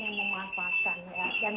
yang memanfaatkan dan